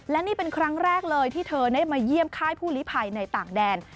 และนี่เป็นครั้งแรกเลยที่เธอได้มาเยี่ยมค่ายผู้ลิภัยในต่างแดน